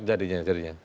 enggak cocok jadinya